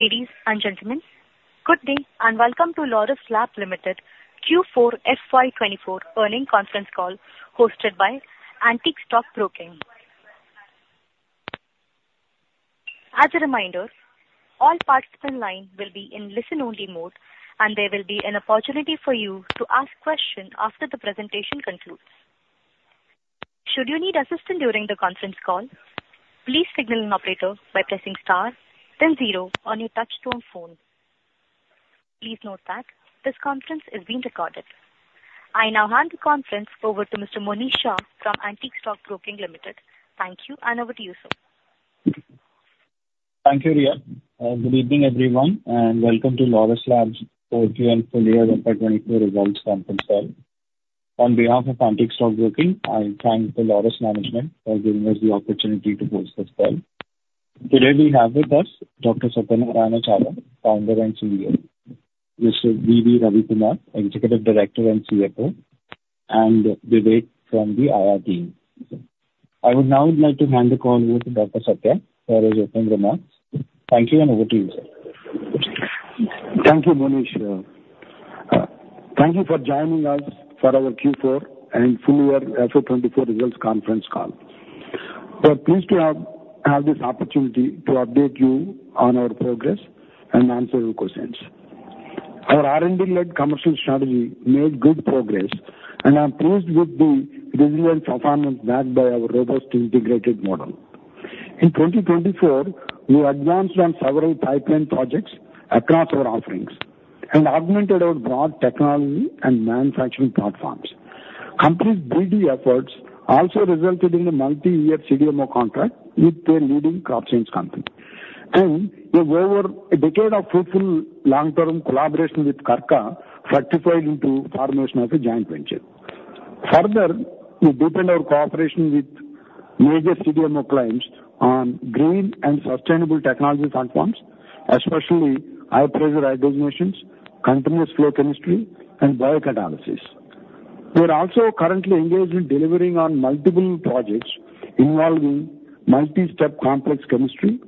Ladies and gentlemen, good day, and welcome to Laurus Labs Limited Q4 FY2024 earnings conference call, hosted by Antique Stock Broking Limited. As a reminder, all participant lines will be in listen-only mode, and there will be an opportunity for you to ask questions after the presentation concludes. Should you need assistance during the conference call, please signal an operator by pressing star then zero on your touchtone phone. Please note that this conference is being recorded. I now hand the conference over to Mr. Monish Shah from Antique Stock Broking Limited. Thank you, and over to you, sir. Thank you, Ria. Good evening, everyone, and welcome to Laurus Labs Q4 full-year FY 2024 results conference call. On behalf of Antique Stock Broking, I thank the Laurus management for giving us the opportunity to host this call. Today, we have with us Dr. Satyanarayana Chava, Founder and CEO; Mr. V.V. Ravi Kumar, Executive Director and CFO; and Vivek from the IR team. I would now like to hand the call over to Dr. Satya for his opening remarks. Thank you, and over to you, sir. Thank you, Monish. Thank you for joining us for our Q4 and full-year FY 2024 results conference call. We're pleased to have this opportunity to update you on our progress and answer your questions. Our R&D-led commercial strategy made good progress, and I'm pleased with the resilient performance backed by our robust integrated model. In 2024, we advanced on several pipeline projects across our offerings and augmented our broad technology and manufacturing platforms. Company's BD efforts also resulted in a multi-year CDMO contract with a leading Crop Science company, and over a decade of fruitful long-term collaboration with Krka fructified into formation of a joint venture. Further, we deepened our cooperation with major CDMO clients on green and sustainable technology platforms, especially high-pressure hydrogenation machines, continuous flow chemistry and biocatalysis. We are also currently engaged in delivering on multiple projects involving multi-step complex chemistry,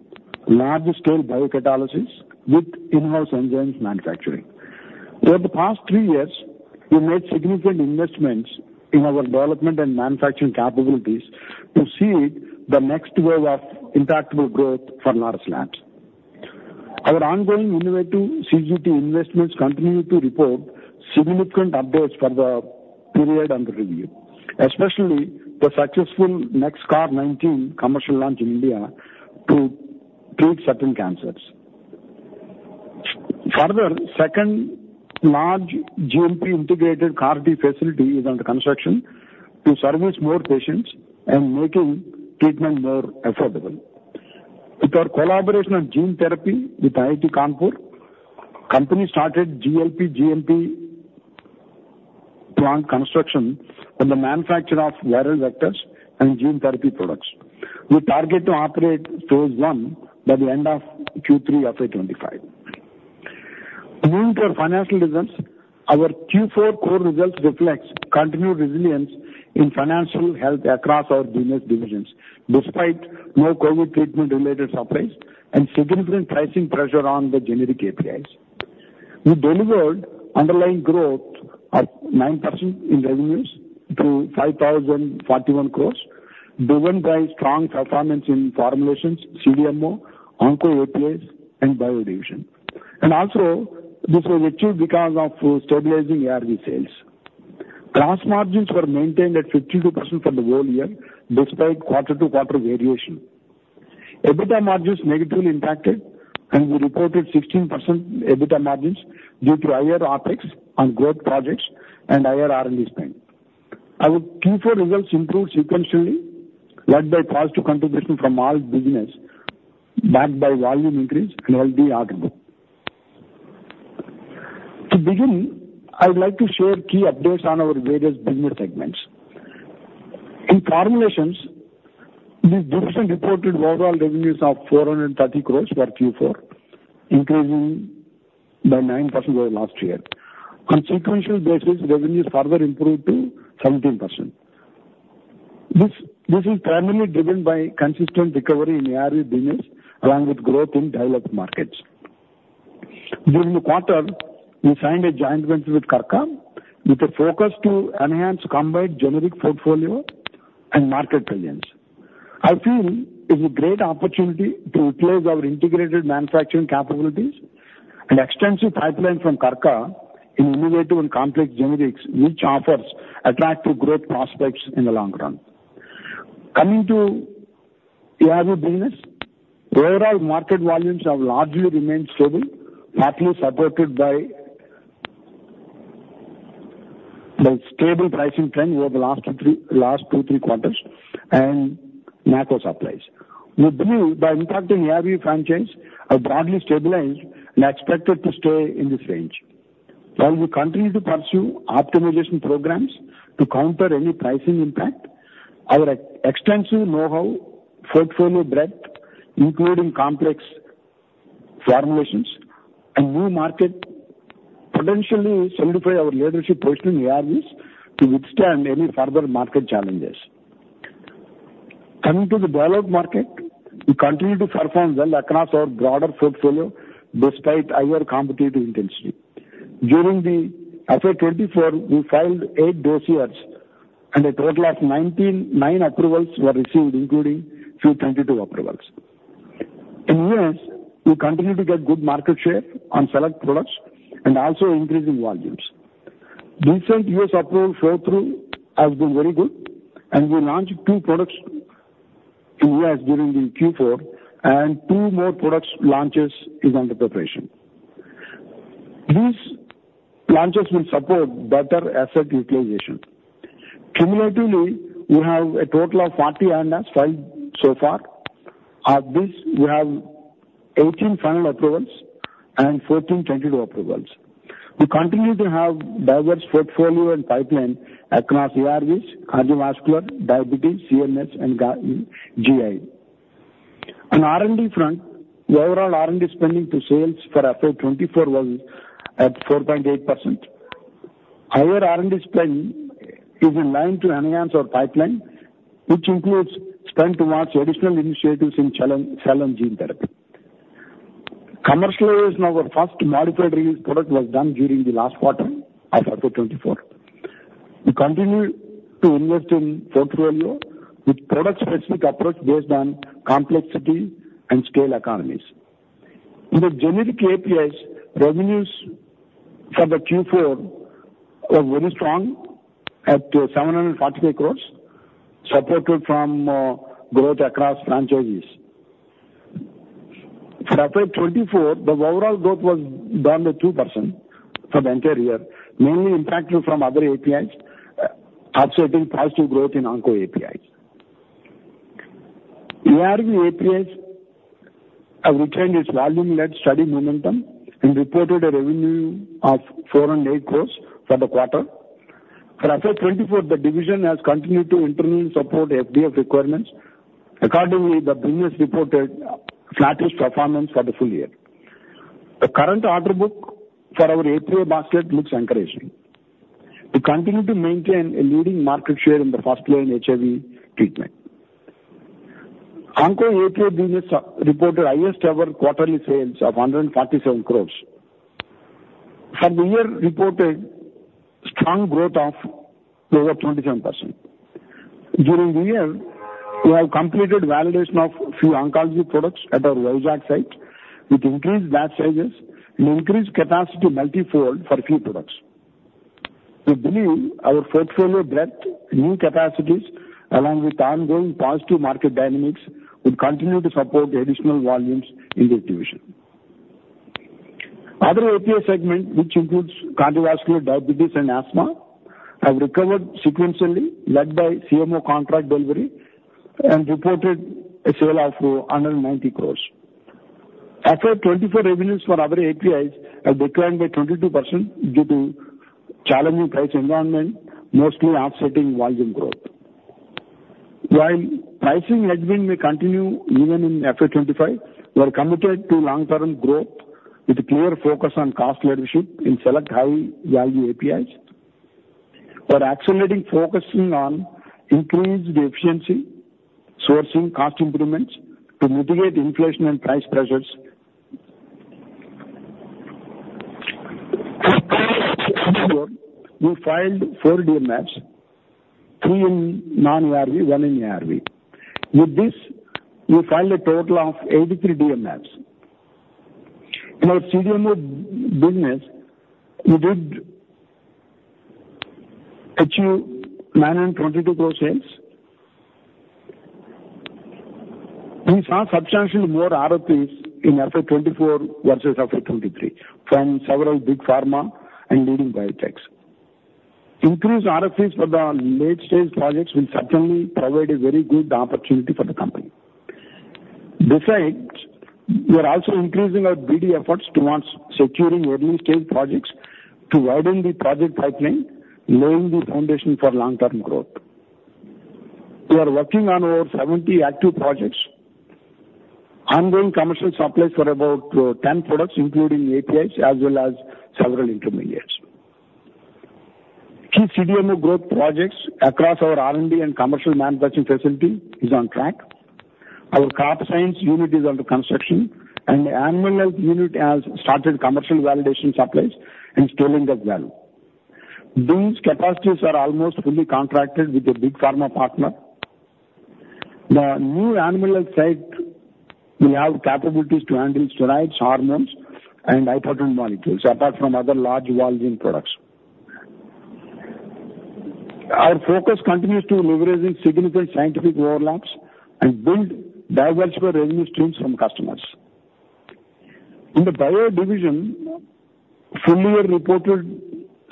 large-scale biocatalysis with in-house enzymes manufacturing. Over the past three years, we made significant investments in our development and manufacturing capabilities to see the next wave of impactful growth for Laurus Labs. Our ongoing innovative CGT investments continue to report significant updates for the period under review, especially the successful NexCAR19 commercial launch in India to treat certain cancers. Further, second large GMP-integrated CAR T facility is under construction to service more patients and making treatment more affordable. With our collaboration on gene therapy with IIT Kanpur, company started GLP, GMP plant construction for the manufacture of viral vectors and gene therapy products. We target to operate phase one by the end of Q3 FY2025. Moving to our financial results, our Q4 core results reflects continued resilience in financial health across our business divisions, despite no COVID treatment-related supplies and significant pricing pressure on the generic APIs. We delivered underlying growth of 9% in revenues to 5,041 crores, driven by strong performance in formulations, CDMO, Onco APIs and Bio division. This was achieved because of stabilizing ARV sales. Gross margins were maintained at 52% for the whole year, despite quarter-to-quarter variation. EBITDA margins negatively impacted, and we reported 16% EBITDA margins due to higher OpEx on growth projects and higher R&D spend. Our Q4 results improved sequentially, led by positive contribution from all business, backed by volume increase and healthy R&D. To begin, I'd like to share key updates on our various business segments. In formulations, this division reported overall revenues of 430 crore for Q4, increasing by 9% over last year. On sequential basis, revenues further improved to 17%. This is primarily driven by consistent recovery in ARV business, along with growth in developed markets. During the quarter, we signed a joint venture with Krka, with a focus to enhance combined generic portfolio and market presence. I feel it's a great opportunity to utilize our integrated manufacturing capabilities and extensive pipeline from Krka in innovative and complex generics, which offers attractive growth prospects in the long run. Coming to ARV business, the overall market volumes have largely remained stable, partly supported by the stable pricing trend over the last two, three quarters and macro supplies. We believe the impacting ARV franchise are broadly stabilized and expected to stay in this range. While we continue to pursue optimization programs to counter any pricing impact, our extensive know-how, portfolio breadth, including complex formulations and new market, potentially solidify our leadership position in ARVs to withstand any further market challenges. Coming to the biologics market, we continue to perform well across our broader portfolio despite higher competitive intensity. During the FY 2024, we filed eight dossiers, and a total of 199 approvals were received, including two tentative approvals. In U.S., we continue to get good market share on select products and also increasing volumes. Recent U.S. approval flow-through has been very good, and we launched two products to U.S. during the Q4, and two more products launches is under preparation. These launches will support better asset utilization. Cumulatively, we have a total of 40 ANDAs filed so far. Of this, we have 18 final approvals and 14 tentative approvals. We continue to have diverse portfolio and pipeline across ARVs, cardiovascular, diabetes, CNS, and GI. On R&D front, the overall R&D spending to sales for FY 2024 was at 4.8%. Higher R&D spending is in line to enhance our pipeline, which includes spend towards additional initiatives in cell and gene therapy. Commercialization of our first modified release product was done during the last quarter of FY 2024. We continue to invest in portfolio with product-specific approach based on complexity and scale economies. In the generic APIs, revenues for the Q4 was very strong at 743 crores, supported from growth across franchises. For FY 2024, the overall growth was down by 2% from the prior, mainly impacted from other APIs, offsetting positive growth in Onco APIs. ARV APIs have retained its volume-led steady momentum and reported a revenue of 408 crore for the quarter. For FY 2024, the division has continued to intervene support FDF requirements. Accordingly, the business reported flattish performance for the full-year. The current order book for our API basket looks encouraging. We continue to maintain a leading market share in the first-line HIV treatment. Onco API business reported highest ever quarterly sales of 147 crore. For the year, reported strong growth of over 27%. During the year, we have completed validation of few oncology products at our Vizag site, which increased batch sizes and increased capacity multifold for a few products. We believe our portfolio breadth, new capacities, along with ongoing positive market dynamics, will continue to support the additional volumes in this division. Other API segment, which includes cardiovascular, diabetes, and asthma, have recovered sequentially, led by CMO contract delivery, and reported sales of 190 crore. FY 2024 revenues for other APIs have declined by 22% due to challenging price environment, mostly offsetting volume growth. While pricing headwind may continue even in FY 2025, we are committed to long-term growth with a clear focus on cost leadership in select high-value APIs. We're accelerating, focusing on increased efficiency, sourcing cost improvements to mitigate inflation and price pressures. We filed four DMFs, three in non-ARV, 1 in ARV. With this, we filed a total of 83 DMFs. In our CDMO business, we did achieve INR 922 crore sales. We saw substantially more RFPs in FY 2024 versus FY 2023 from several big pharma and leading biotechs. Increased RFPs for the late-stage projects will certainly provide a very good opportunity for the company. Besides, we are also increasing our BD efforts towards securing early-stage projects to widen the project pipeline, laying the foundation for long-term growth. We are working on over 70 active projects. Ongoing commercial supplies for about 10 products, including APIs as well as several intermediates. Key CDMO growth projects across our R&D and commercial manufacturing facility is on track. Our crop science unit is under construction, and the Animal Health unit has started commercial validation supplies and scaling as well. These capacities are almost fully contracted with a big pharma partner. The new Animal Health site will have capabilities to handle steroids, hormones, and high-protein molecules, apart from other large volume products. Our focus continues to leveraging significant scientific overlaps and build diverse revenue streams from customers. In the biologics division, full-year reported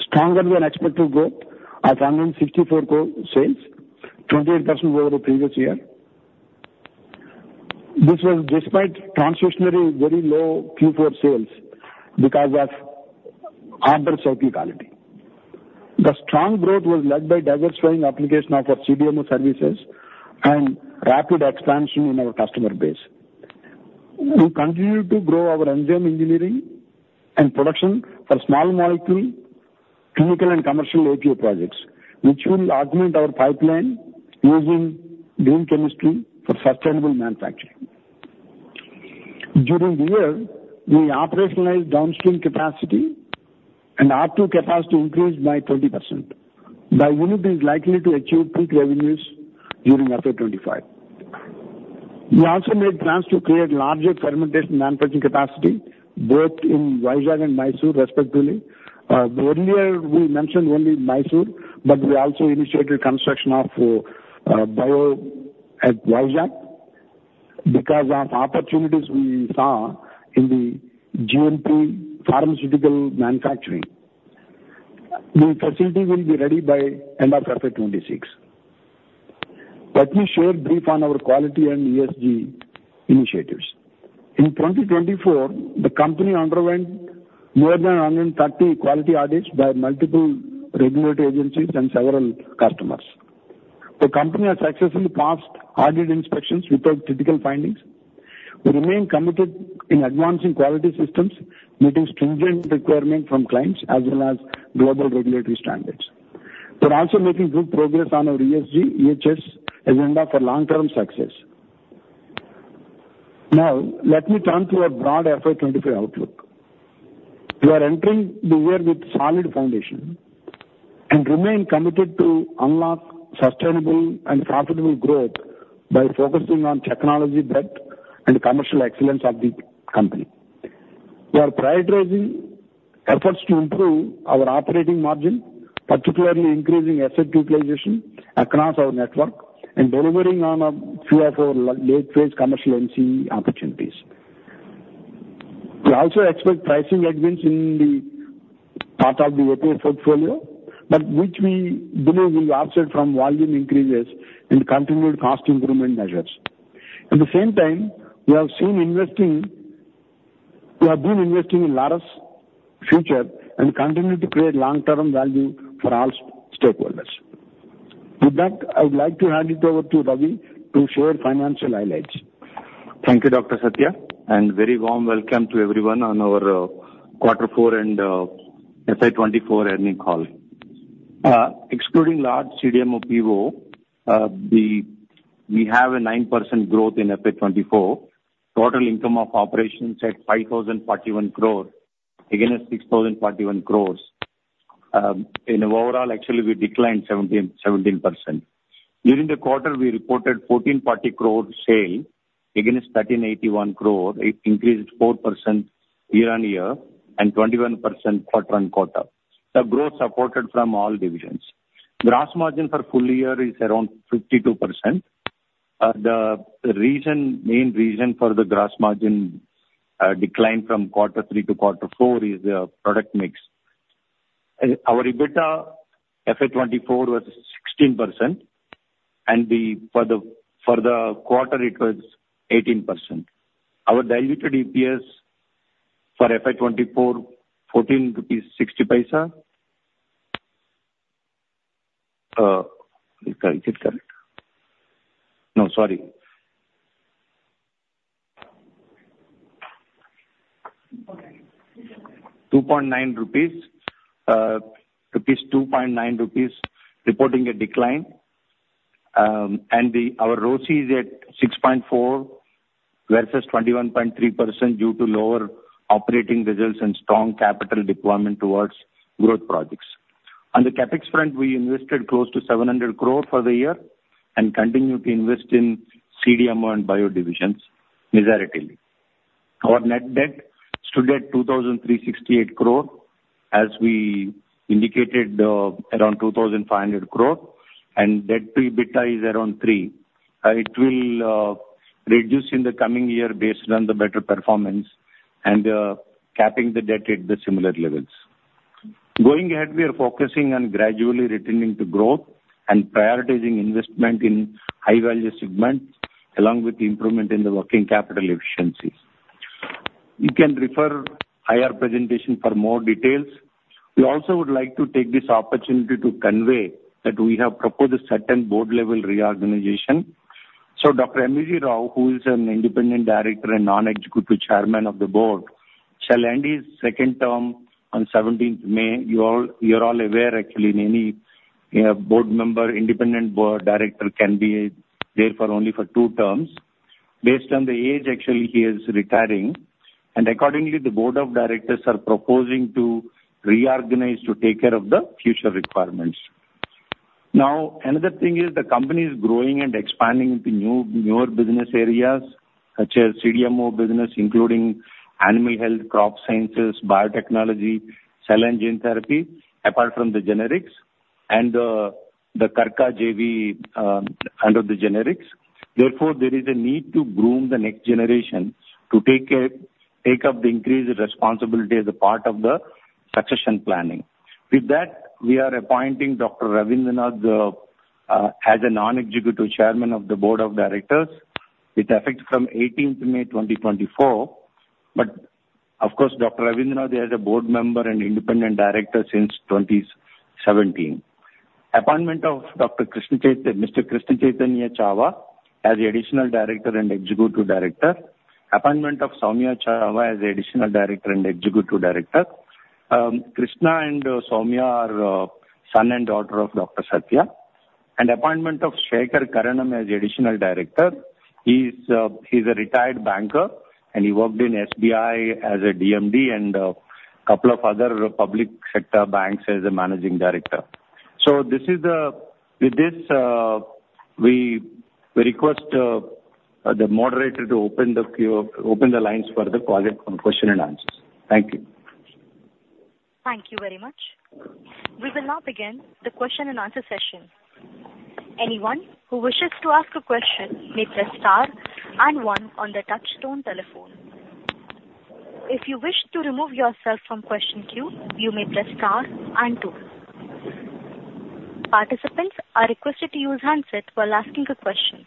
stronger-than-expected growth of 964 crore sales, 28% over the previous year. This was despite transitory, very low Q4 sales because of harvest seasonality. The strong growth was led by diversifying application of our CDMO services and rapid expansion in our customer base.... We continue to grow our enzyme engineering and production for small molecule, clinical and commercial API projects, which will augment our pipeline using green chemistry for sustainable manufacturing. During the year, we operationalized downstream capacity, and R2 capacity increased by 20%. Bio unit is likely to achieve peak revenues during FY 2025. We also made plans to create larger fermentation manufacturing capacity, both in Vizag and Mysore, respectively. Earlier we mentioned only Mysore, but we also initiated construction of Bio at Vizag because of opportunities we saw in the GMP pharmaceutical manufacturing. The facility will be ready by end of FY 2026. Let me share brief on our quality and ESG initiatives. In 2024, the company underwent more than 130 quality audits by multiple regulatory agencies and several customers. The company has successfully passed audit inspections without critical findings. We remain committed in advancing quality systems, meeting stringent requirements from clients as well as global regulatory standards. We're also making good progress on our ESG, EHS agenda for long-term success. Now, let me turn to our broad FY 2025 outlook. We are entering the year with solid foundation and remain committed to unlock sustainable and profitable growth by focusing on technology debt and commercial excellence of the company. We are prioritizing efforts to improve our operating margin, particularly increasing asset utilization across our network and delivering on a few of our late-phase commercial NCE opportunities. We also expect pricing headwinds in the part of the API portfolio, but which we believe will offset from volume increases and continued cost improvement measures. At the same time, we have been investing in Laurus' future and continue to create long-term value for all stakeholders. With that, I would like to hand it over to Ravi to share financial highlights. Thank you, Dr. Satya, and very warm welcome to everyone on our quarter four and FY 2024 earnings call. Excluding large CDMO PO, we have a 9% growth in FY 2024. Total income of operations at 5,041 crore, against 6,041 crores. In overall, actually, we declined 17, 17%. During the quarter, we reported 1,440 crore sale against 1,381 crore. It increased 4% year on year and 21% quarter on quarter. The growth supported from all divisions. Gross margin for full-year is around 52%. The reason, main reason for the gross margin decline from quarter three to quarter four is the product mix. Our EBITDA, FY 2024, was 16%, and for the quarter, it was 18%. Our diluted EPS for FY 2024, INR 14.60. Is it correct? No, sorry. Rupees 2.9, rupees 2.9 rupees, reporting a decline. And our ROCE is at 6.4% versus 21.3% due to lower operating results and strong capital deployment towards growth projects. On the CapEx front, we invested close to 700 crore for the year and continued to invest in CDMO and bio divisions majoritively. Our net debt stood at 2,368 crore, as we indicated, around 2,500 crore, and debt to EBITDA is around three. It will reduce in the coming year based on the better performance and, capping the debt at the similar levels. Going ahead, we are focusing on gradually returning to growth and prioritizing investment in high-value segments, along with improvement in the working capital efficiencies. You can refer IR presentation for more details. We also would like to take this opportunity to convey that we have proposed a certain board-level reorganization. So Dr. M.V.G. Rao, who is an independent director and non-executive chairman of the board, shall end his second term on 17th May. You're all aware, actually, any board member, independent board director can be there for only two terms. Based on the age, actually, he is retiring, and accordingly, the board of directors are proposing to reorganize to take care of the future requirements. Now, another thing is the company is growing and expanding into new, newer business areas, such as CDMO business, including animal health, Crop Sciences, biotechnology, cell and gene therapy, apart from the generics and the Krka JV, under the generics. Therefore, there is a need to groom the next generation to take up the increased responsibility as a part of the succession planning. With that, we are appointing Dr. Ravindranath as a non-executive chairman of the board of directors. It takes effect from May 18, 2024, but of course, Dr. Ravindranath is a board member and independent director since 2017.... Appointment of Dr. Krishna Chaitanya Chava, Mr. Krishna Chaitanya Chava as the Additional Director and Executive Director. Appointment of Soumya Chava as the Additional Director and Executive Director. Krishna and Soumya are son and daughter of Dr. Satya. Appointment of Shekhar Karanam as the Additional Director. He's a retired banker, and he worked in SBI as a DMD and couple of other public sector banks as a Managing Director. So, with this, we request the moderator to open the queue, open the lines for the call, question and answers. Thank you. Thank you very much. We will now begin the question and answer session. Anyone who wishes to ask a question, may press star and one on the touchtone telephone. If you wish to remove yourself from question queue, you may press star and two. Participants are requested to use handset while asking a question.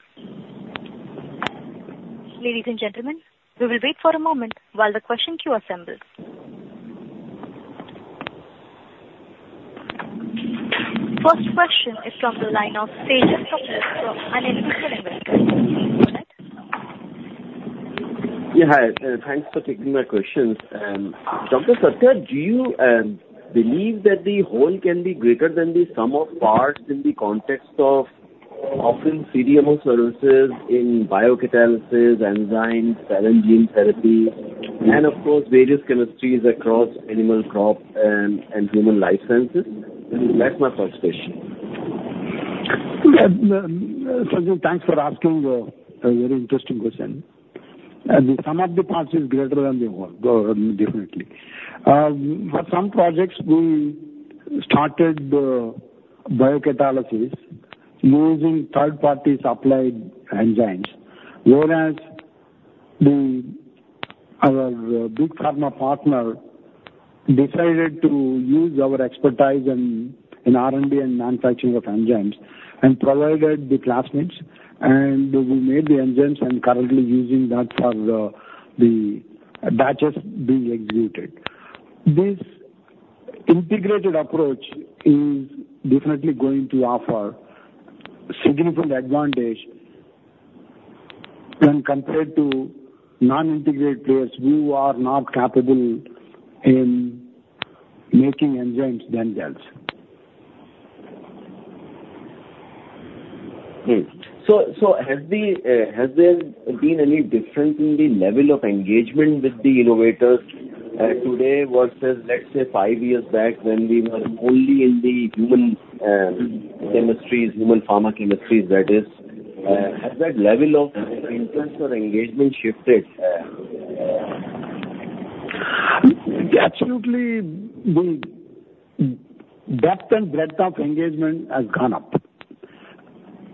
Ladies and gentlemen, we will wait for a moment while the question queue assembles. First question is from the line of Sajit Lopez from Amneal Investors. Yeah, hi. Thanks for taking my questions. Dr. Satya, do you believe that the whole can be greater than the sum of parts in the context of offering CDMO services in biocatalysis, enzymes, gene therapy, and of course, various chemistries across animal, crop and human licenses? That's my first question. Sajit, thanks for asking a very interesting question. And the sum of the parts is greater than the whole, definitely. For some projects, we started biocatalysis using third-party supplied enzymes, whereas our big pharma partner decided to use our expertise in R&D and manufacturing of enzymes and provided the plasmids, and we made the enzymes and currently using that for the batches being executed. This integrated approach is definitely going to offer significant advantage when compared to non-integrated players who are not capable in making enzymes themselves. Great. So, has there been any difference in the level of engagement with the innovators, today versus, let's say, five years back, when we were only in the human chemistries, human pharma chemistries, that is, has that level of interest or engagement shifted? Absolutely. The depth and breadth of engagement has gone up.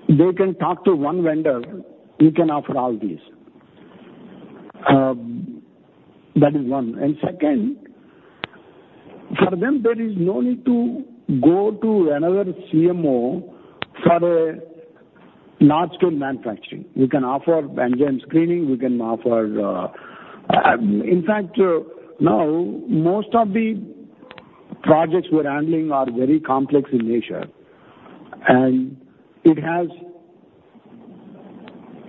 They can talk to one vendor who can offer all this. That is one. And second, for them, there is no need to go to another CMO for a large-scale manufacturing. We can offer enzyme screening, we can offer, in fact, now, most of the projects we're handling are very complex in nature, and it has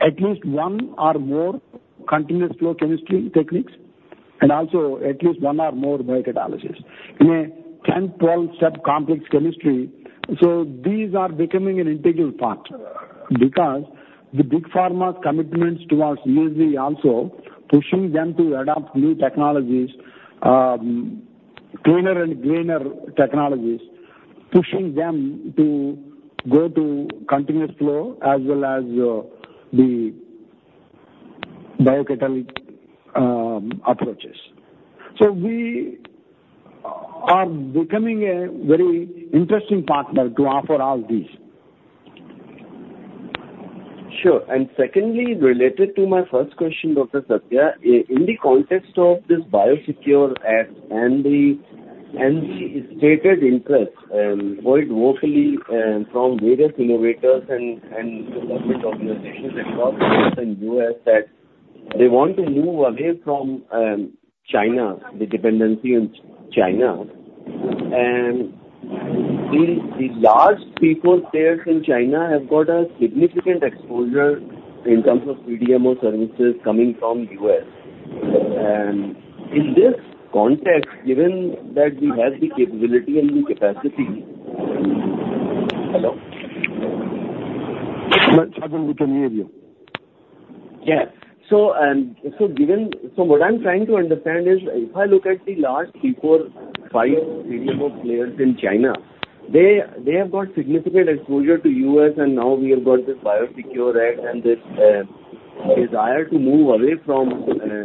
at least one or more continuous flow chemistry techniques, and also at least one or more biocatalysis. In a 10-12-step complex chemistry, so these are becoming an integral part because the big pharma's commitments towards easy also, pushing them to adopt new technologies, cleaner and greener technologies, pushing them to go to continuous flow as well as, the biocatalytic, approaches. So we are becoming a very interesting partner to offer all these. Sure. Secondly, related to my first question, Dr. Satya, in the context of this Biosecure Act and the stated interest, quite vocally, from various innovators and government organizations across U.S., that they want to move away from China, the dependency on China. And the large C4 players in China have got a significant exposure in terms of CDMO services coming from U.S. And in this context, given that we have the capability and the capacity... Hello? Sajit, we can hear you. Yeah. So, so given— So what I'm trying to understand is, if I look at the large three, four, five CDMO players in China, they, they have got significant exposure to U.S., and now we have got this Biosecure Act and this, desire to move away from,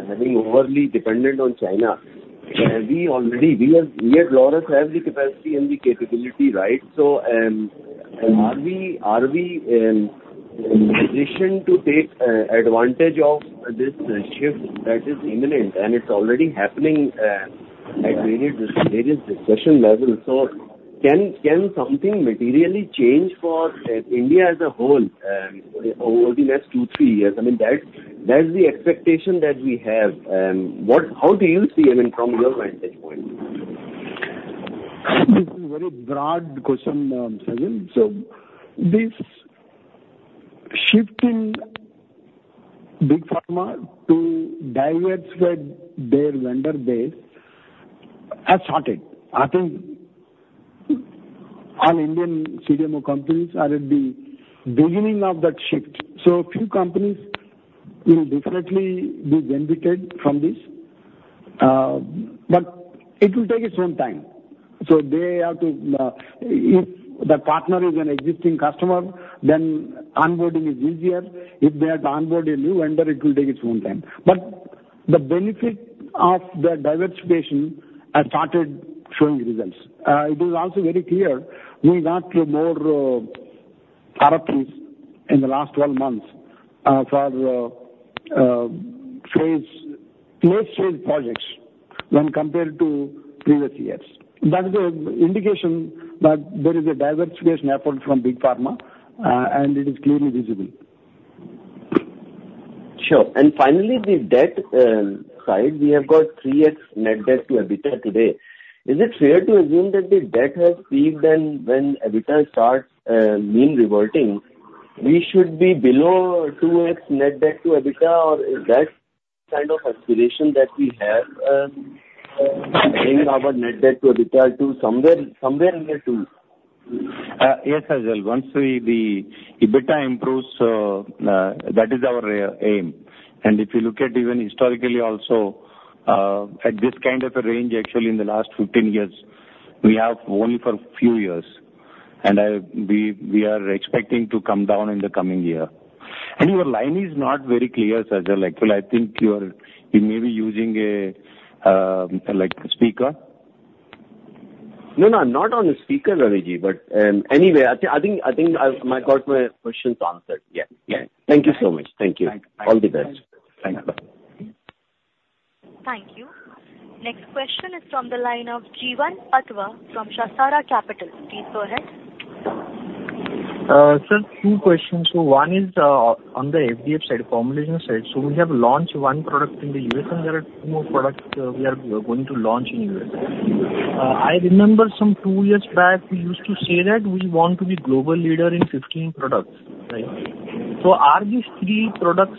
having overly dependent on China. We already, we at Laurus have the capacity and the capability, right? So, are we, are we, positioned to take, advantage of this, shift that is imminent and it's already happening, at various, various discussion levels. So can, can something materially change for, India as a whole, over the next two, three years? I mean, that's, that is the expectation that we have. What— How do you see, I mean, from your vantage point?... This is a very broad question, Sajal. So this shift in big pharma to diversify their vendor base has started. I think all Indian CDMO companies are at the beginning of that shift. So a few companies will definitely be benefited from this, but it will take its own time. So they have to, if the partner is an existing customer, then onboarding is easier. If they have to onboard a new vendor, it will take its own time. But the benefit of the diversification has started showing results. It is also very clear we got more, RFPs in the last 12 months, for, phase, late phase projects when compared to previous years. That is a indication that there is a diversification effort from big pharma, and it is clearly visible. Sure. And finally, the debt side, we have got 3x net debt to EBITDA today. Is it fair to assume that the debt has peaked, and when EBITDA starts mean reverting, we should be below 2x net debt to EBITDA, or is that kind of aspiration that we have bringing our net debt to EBITDA to somewhere, somewhere under two? Yes, Sajal. Once the EBITDA improves, that is our aim. And if you look at even historically also, at this kind of a range, actually in the last 15 years, we have only for a few years, and we are expecting to come down in the coming year. And your line is not very clear, Sajal. Actually, I think you are, you may be using a, like, a speaker? No, no, not on the speaker, Ranji, but anyway, I think I might got my questions answered. Yeah. Yeah. Thank you so much. Thank you. Thank you. All the best. Thank you. Bye-bye. Thank you. Next question is from the line of Jeevan Patwa from Sahasrar Capital. Please go ahead. Sir, two questions. So one is on the FDF side, formulation side. So we have launched one product in the US, and there are two more products, we are going to launch in US. I remember some two years back, you used to say that we want to be global leader in 15 products, right? So are these three products,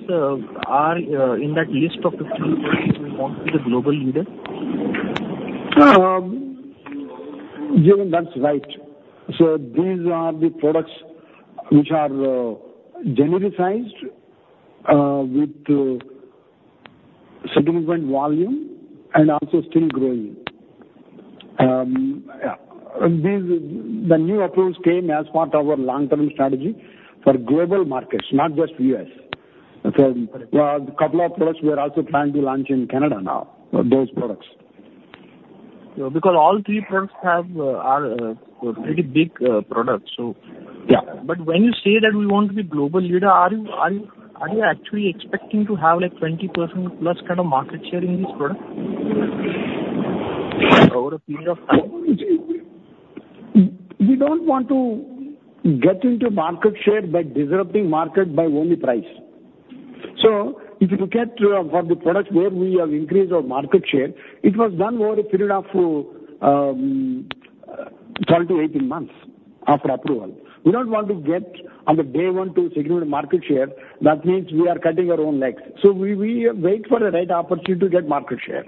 are in that list of 15 products we want to be the global leader? Jeevan, that's right. So these are the products which are genericized with significant volume and also still growing. The new approvals came as part of our long-term strategy for global markets, not just U.S. So, couple of products we are also planning to launch in Canada now, those products. Yeah, because all three products have, are, pretty big, products. So- Yeah. But when you say that we want to be global leader, are you actually expecting to have, like, 20% plus kind of market share in this product over a period of time? We don't want to get into market share by disrupting market by only price. So if you look at, for the products where we have increased our market share, it was done over a period of, 12-18 months after approval. We don't want to get on the day one to significant market share, that means we are cutting our own legs. So we, we wait for the right opportunity to get market share.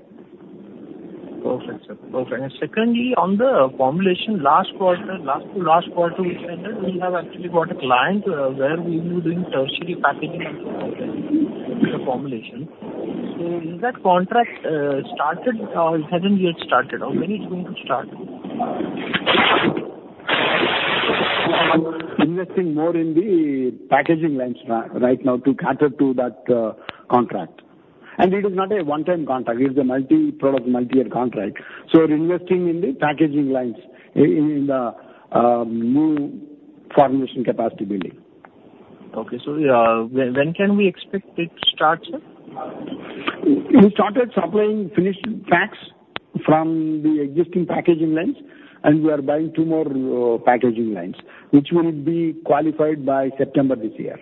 Perfect, sir. Perfect. And secondly, on the formulation, last quarter, last to last quarter, we said that we have actually got a client, where we will be doing tertiary packaging formulation. So is that contract, started or it hasn't yet started, or when it's going to start? Investing more in the packaging lines right now to cater to that contract. And it is not a one-time contract, it is a multi-product, multi-year contract. So we're investing in the packaging lines, in the new formulation capacity building. Okay. So, when, when can we expect it to start, sir? We started supplying finished packs from the existing packaging lines, and we are buying two more packaging lines, which will be qualified by September this year.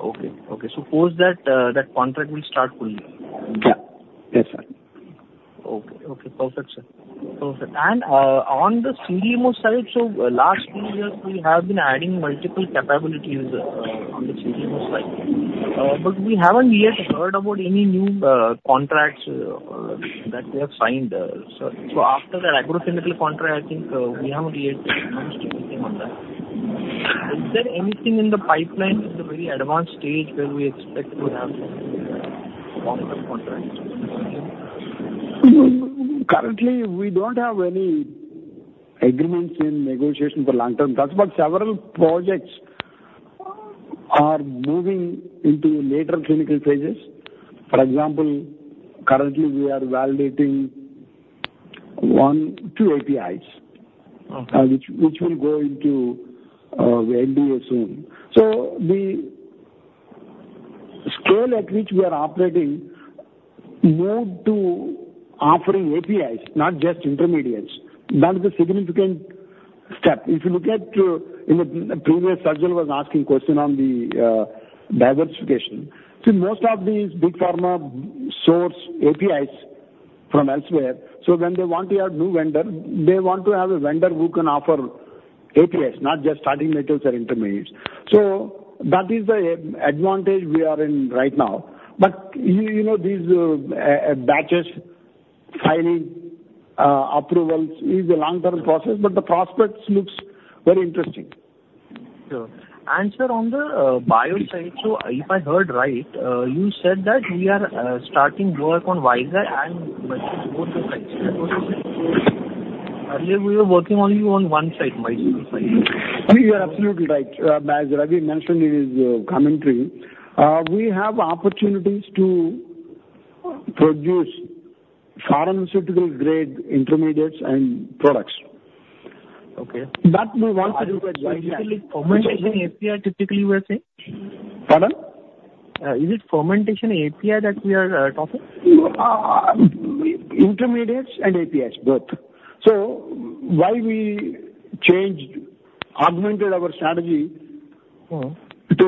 Okay. Okay. So post that, that contract will start fully? Yeah. Yes, sir. Okay. Okay, perfect, sir. Perfect. And, on the CDMO side, so last few years, we have been adding multiple capabilities, on the CDMO side, but we haven't yet heard about any new contracts that we have signed, sir. So after the agrochemical contract, I think, we haven't yet announced anything on that. Is there anything in the pipeline in the very advanced stage where we expect to have contract? Currently, we don't have any agreements in negotiation for long term. That's but several projects are moving into later clinical phases. For example, currently we are validating one, two APIs. Okay. which, which will go into NDA soon. So the scale at which we are operating move to offering APIs, not just intermediates. That's a significant step. If you look at, in the previous, Sajal was asking question on the, diversification. See, most of these big pharma source APIs from elsewhere, so when they want to have new vendor, they want to have a vendor who can offer APIs, not just starting materials or intermediates. So that is the advantage we are in right now. But you know, these batches, filing, approvals is a long-term process, but the prospects looks very interesting. Sure. And sir, on the bio side, so if I heard right, you said that we are starting work on Vizag and Mysore sites. Earlier, we were working only on one side, Mysore side. You are absolutely right. As Ravi mentioned in his commentary, we have opportunities to produce pharmaceutical grade intermediates and products. Okay. That we want to do with Vizag. Typically, fermentation API, typically you were saying? Pardon? Is it fermentation API that we are talking? Intermediates and APIs, both. So why we changed, augmented our strategy- Mm-hmm. -to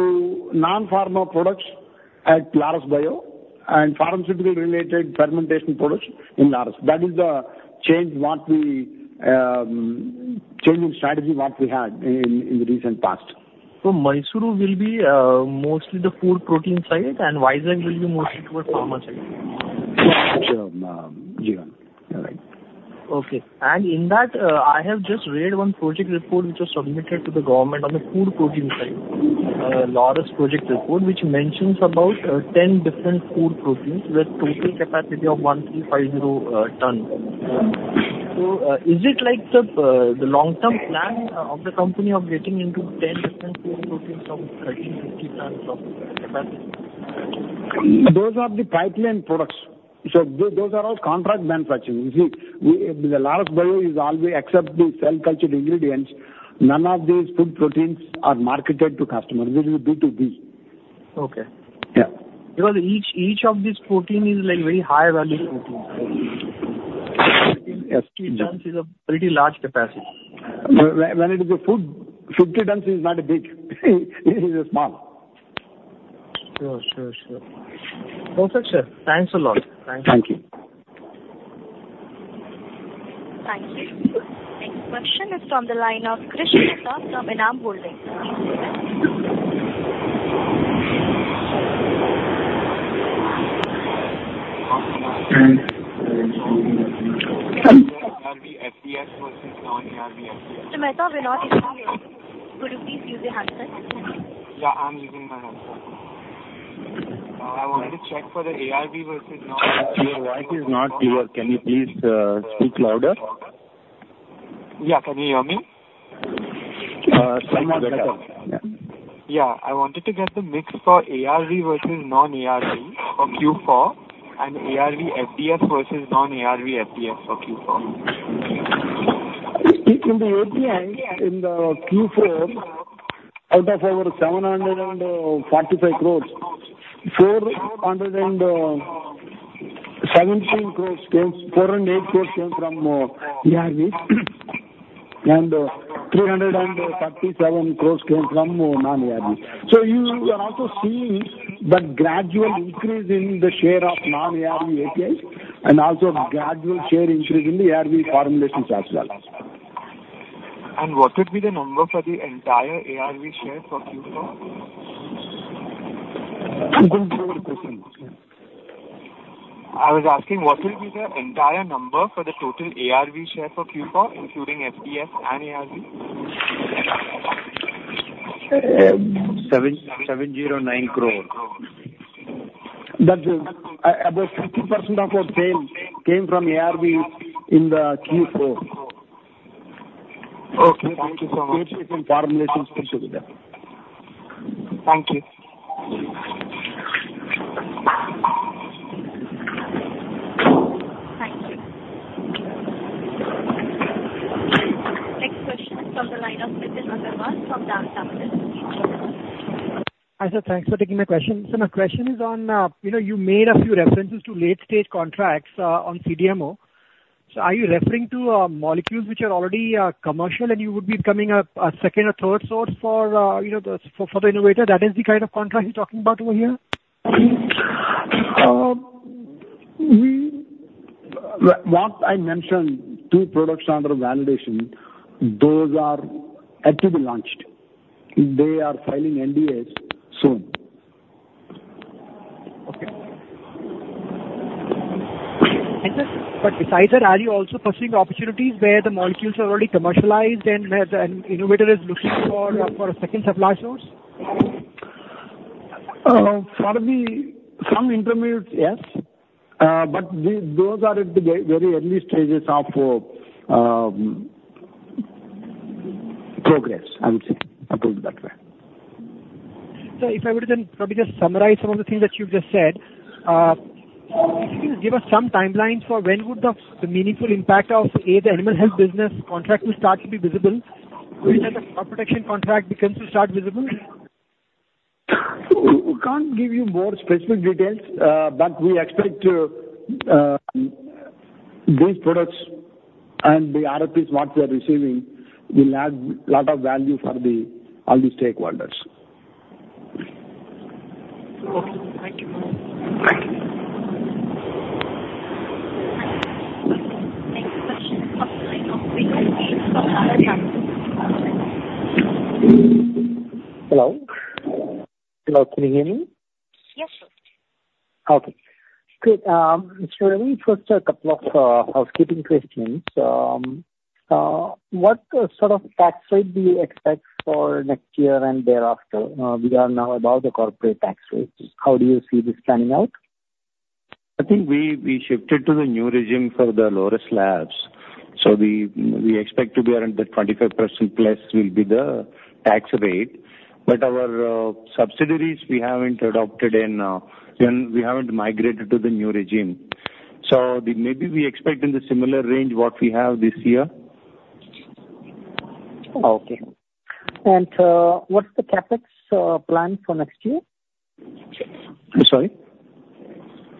non-pharma products at Laurus Bio and pharmaceutical-related fermentation products in Laurus. That is the change what we change in strategy what we had in the recent past. Mysore will be mostly the food protein side, and Vizag will be mostly toward pharma side? Sure, yeah. You're right. Okay. And in that, I have just read one project report which was submitted to the government on the food protein side, Laurus project report, which mentions about 10 different food proteins with total capacity of 1,350 ton. So, is it like the long-term plan of the company of getting into 10 different food proteins from 1,350 tons of capacity? Those are the pipeline products, so those are all contract manufacturing. You see, we... The Laurus Bio is only accept the cell culture ingredients. None of these food proteins are marketed to customers. This is B2B. Okay. Yeah. Because each of these protein is, like, very high value. Is a pretty large capacity. When it is a food, 50 tons is not a big. It is a small. Sure, sure, sure. Okay, sir. Thanks a lot. Thank you. Thank you. Thank you. Next question is from the line of Krish Mehta from Enam Holdings. ARV FDFs versus non-ARV FDFs. Mr. Mehta, we're not hearing you. Could you please use your handset? Yeah, I'm using my handset. I wanted to check for the ARV versus non-ARV- Your voice is not clear. Can you please speak louder? Yeah. Can you hear me? Slightly better. Yeah. Yeah. I wanted to get the mix for ARV versus non-ARV for Q4 and ARV FDS versus non-ARV FDS for Q4. In the API, in Q4, out of our 745 crores, 417 crores came... 408 crores came from ARV, and 337 crores came from non-ARV. So you are also seeing the gradual increase in the share of non-ARV APIs and also gradual share increase in the ARV formulations as well. What would be the number for the entire ARV share for Q4? Could you repeat the question? I was asking, what will be the entire number for the total ARV share for Q4, including FDF and ARV? INR 7,709 crore. That is, about 50% of our sales came from ARV in the Q4. Okay, thank you so much. API formulations which are there. Thank you. Thank you. Next question is from the line of Shankar Gawade from DAM Capital. Hi, sir. Thanks for taking my question. So my question is on, you know, you made a few references to late-stage contracts on CDMO. So are you referring to molecules which are already commercial and you would be coming up a second or third source for, you know, the innovator? That is the kind of contract you're talking about over here? What I mentioned, two products under validation, those are actually launched. They are filing NDAs soon. Okay. But besides that, are you also pursuing opportunities where the molecules are already commercialized and where the innovator is looking for a second supply source? For some intermediates, yes. But those are at the very early stages of progress, I would say. I put it that way. So if I were to then probably just summarize some of the things that you've just said, if you can give us some timelines for when would the meaningful impact of A, the Animal Health business contract will start to be visible, and the crop protection contract begin to be visible? ... We can't give you more specific details, but we expect these products and the RFPs what we are receiving will add lot of value for the all the stakeholders. Okay, thank you. Thank you. Next question is from the line of Hello? Hello, can you hear me? Yes, sure. Okay. Good, so let me first a couple of housekeeping questions. What sort of tax rate do you expect for next year and thereafter, regarding now about the corporate tax rates? How do you see this panning out? I think we shifted to the new regime for Laurus Labs, so we expect to be around that 25% plus will be the tax rate. But our subsidiaries we haven't adopted, then we haven't migrated to the new regime. So, then maybe we expect in the similar range what we have this year. Okay. And, what's the CapEx plan for next year? I'm sorry.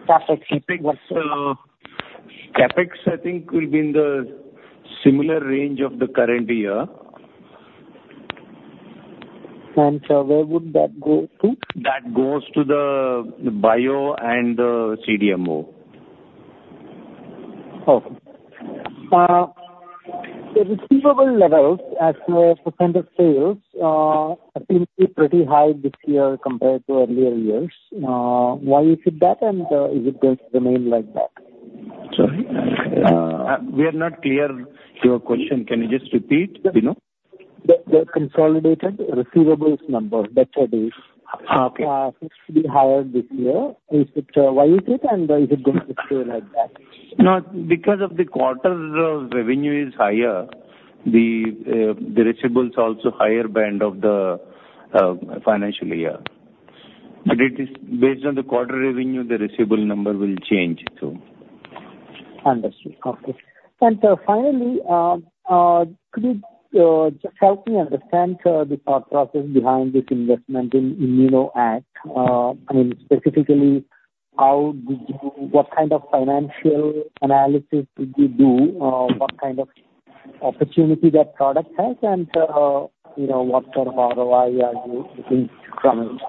CapEx. CapEx, I think, will be in the similar range of the current year. Where would that go to? That goes to the bio and the CDMO. Okay. The receivable levels as a % of sales seem to be pretty high this year compared to earlier years. Why is it that, and is it going to remain like that? Sorry? We are not clear to your question. Can you just repeat, you know? The consolidated receivables number, that's what is- Okay. Seems to be higher this year. Is it, why is it, and is it going to stay like that? No, because of the quarter's revenue is higher, the receivables also higher band of the financial year. But it is based on the quarter revenue, the receivable number will change, so. Understood. Okay. And, finally, could you just help me understand the thought process behind this investment in ImmunoACT? I mean, specifically, how did you-- what kind of financial analysis did you do? What kind of opportunity that product has and, you know, what sort of ROI are you looking from it?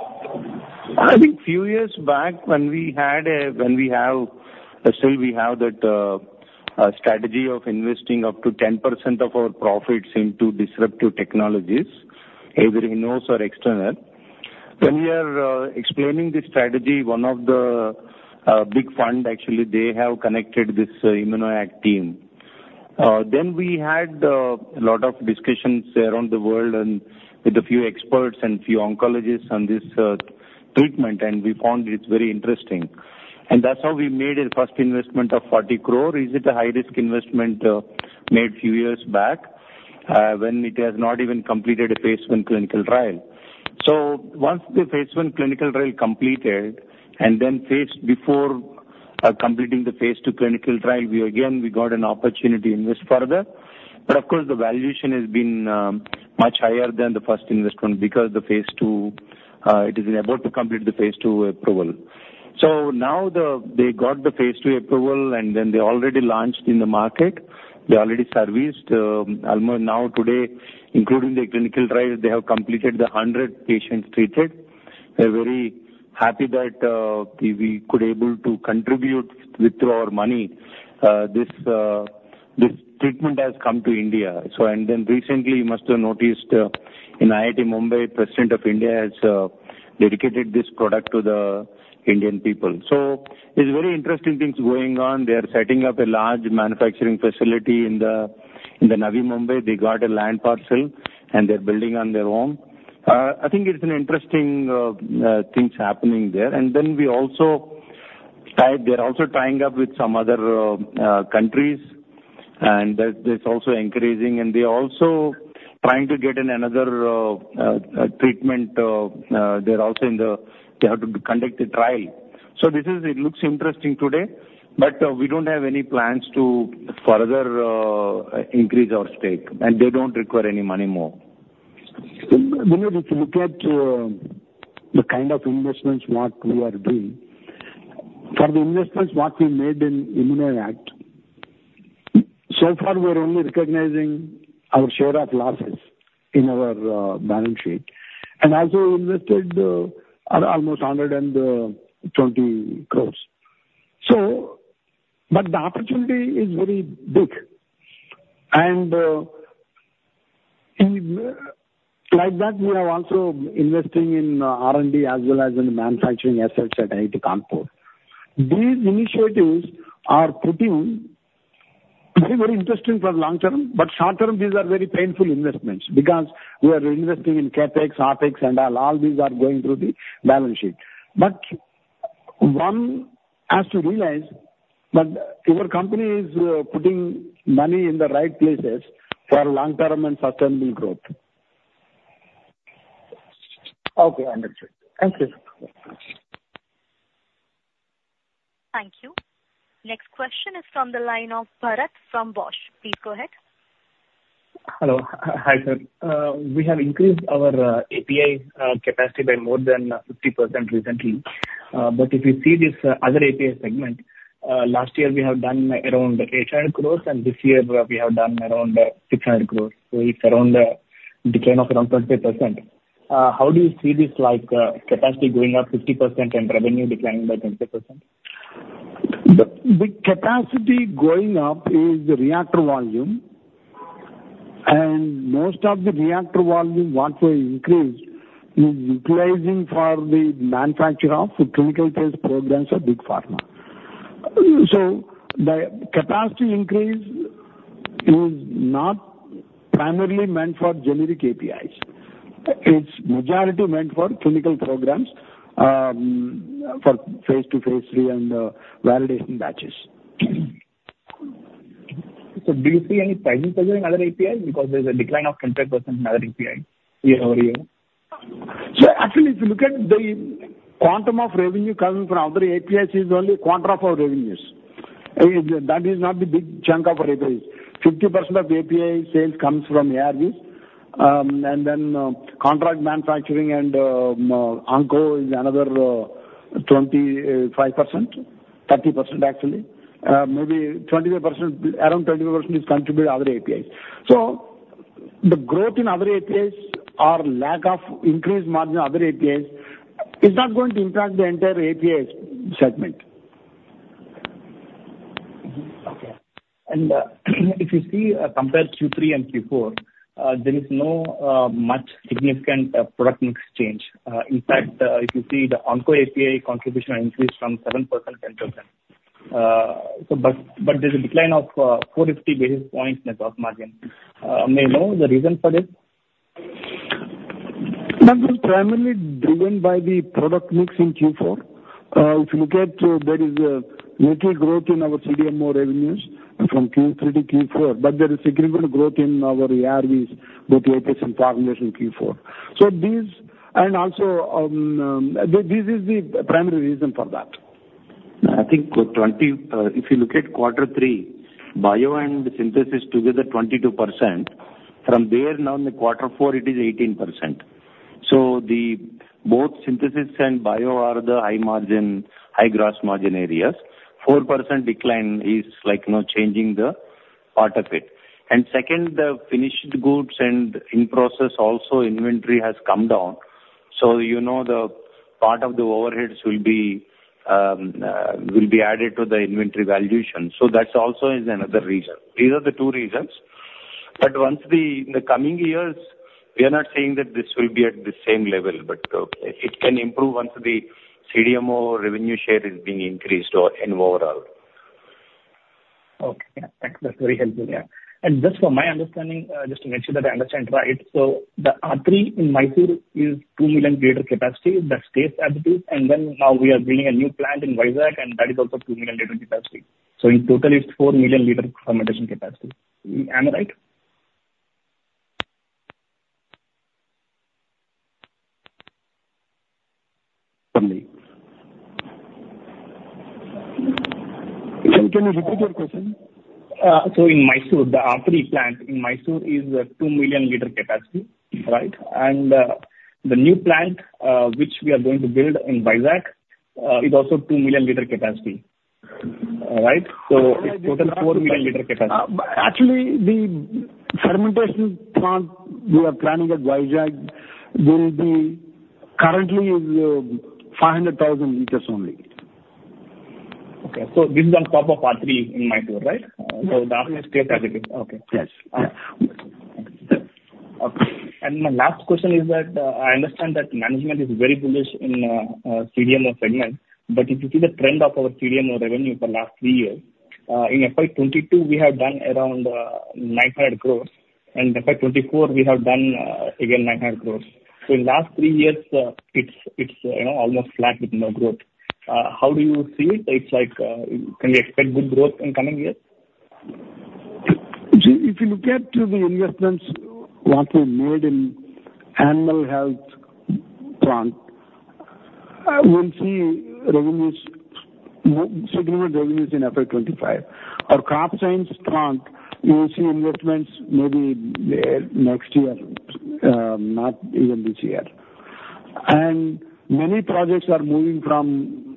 I think few years back when we had a, when we have, still we have that strategy of investing up to 10% of our profits into disruptive technologies, either in-house or external. When we are explaining this strategy, one of the big fund, actually, they have connected this ImmunoACT team. Then we had a lot of discussions around the world and with a few experts and few oncologists on this treatment, and we found it's very interesting. And that's how we made a first investment of 40 crore. Is it a high-risk investment, made a few years back, when it has not even completed a phase I clinical trial? So once the phase I clinical trial completed, and then phase-- before completing the phase II clinical trial, we again, we got an opportunity invest further. But of course, the valuation has been much higher than the first investment because the phase II, it is about to complete the phase II approval. So now the, they got the phase II approval, and then they already launched in the market. They already serviced almost now today, including the clinical trials, they have completed 100 patients treated. We're very happy that, we, we could able to contribute with our money, this, this treatment has come to India. So and then recently, you must have noticed, in IIT Bombay, President of India has dedicated this product to the Indian people. So it's very interesting things going on. They are setting up a large manufacturing facility in the, in the Navi Mumbai. They got a land parcel, and they're building on their own. I think it's an interesting things happening there. And then we also tied. They're also tying up with some other countries, and that, that's also increasing. And they're also trying to get in another treatment, they're also in the. They have to conduct a trial. So this is. It looks interesting today, but we don't have any plans to further increase our stake, and they don't require any money more. When we just look at the kind of investments what we are doing, for the investments what we made in ImmunoACT, so far we're only recognizing our share of losses in our balance sheet. And also invested at almost 120 crores. But the opportunity is very big. In like that, we are also investing in R&D as well as in manufacturing assets at IIT Kanpur. These initiatives are putting very, very interesting for long term, but short term, these are very painful investments because we are investing in CapEx, OpEx and all these are going through the balance sheet. But one has to realize that your company is putting money in the right places for long-term and sustainable growth. Okay, understood. Thank you.... Thank you. Next question is from the line of Bharat from Bosch. Please go ahead. Hello. Hi, sir. We have increased our API capacity by more than 50% recently. But if you see this other API segment, last year we have done around 800 crores, and this year we have done around 600 crores. So it's around decline of around 20%. How do you see this, like, capacity going up 50% and revenue declining by 20%? The capacity going up is the reactor volume, and most of the reactor volume what we increased is utilizing for the manufacture of the clinical phase programs of big pharma. So the capacity increase is not primarily meant for generic APIs. It's majority meant for clinical programs, for phase two, phase three, and validation batches. So do you see any pricing pressure in other APIs? Because there's a decline of 10% in other API year-over-year. So actually, if you look at the quantum of revenue coming from other APIs is only quarter of our revenues. I mean, that is not the big chunk of our APIs. 50% of API sales comes from ARVs, and then, contract manufacturing and, onco is another, 25%, 30%, actually. Maybe 25%, around 25% is contributed to other APIs. So the growth in other APIs or lack of increased margin in other APIs is not going to impact the entire API segment. Mm-hmm. Okay. And if you see, compare Q3 and Q4, there is no much significant product mix change. In fact, if you see the Onco API contribution increased from 7%-10%. But there's a decline of 450 basis points in gross margin. May know the reason for this? That was primarily driven by the product mix in Q4. If you look at, there is a little growth in our CDMO revenues from Q3 to Q4, but there is significant growth in our ARVs, both APIs and formulation Q4. So these... And also, this is the primary reason for that. I think for 20, if you look at quarter three, bio and Synthesis together, 22%. From there, now in the quarter four it is 18%. So the both Synthesis and bio are the high margin, high gross margin areas. 4% decline is like not changing the part of it. And second, the finished goods and in-process also inventory has come down. So, you know, the part of the overheads will be will be added to the inventory valuation, so that's also is another reason. These are the two reasons. But once the, in the coming years, we are not saying that this will be at the same level, but, it can improve once the CDMO revenue share is being increased or and overall. Okay. Yeah, thanks. That's very helpful. Yeah. And just from my understanding, just to make sure that I understand right, so the R3 in Mysore is 2 million liter capacity, that stays as it is, and then now we are building a new plant in Vizag, and that is also 2 million liter capacity. So in total it's 4 million liter fermentation capacity. Am I right? Can you repeat your question? So in Mysore, the R3 plant in Mysore is a 2 million liter capacity, right? And, the new plant, which we are going to build in Vizag, is also 2 million liter capacity. All right? So it's total 4 million liter capacity. Actually, the fermentation plant we are planning at Vizag will be currently is 500,000 liters only. Okay. So this is on top of R3 in Mysore, right? Mm-hmm. The R3 stays as it is. Okay. Yes. Yeah. Okay. And my last question is that, I understand that management is very bullish in, CDMO segment, but if you see the trend of our CDMO revenue for the last three years, in FY 2022 we have done around 900 crores, and in FY 2024 we have done, again, 900 crores. So in last three years, it's, it's, you know, almost flat with no growth. How do you see it? It's like, can we expect good growth in coming years? See, if you look at the investments what we made in animal health plant, we'll see revenues, significant revenues in FY 2025. Our crop science plant, you will see investments maybe, next year, not even this year. And many projects are moving from